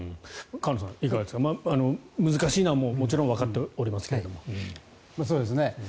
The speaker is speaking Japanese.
河野さん、いかがですか難しいのはもちろんわかっておりますけれども。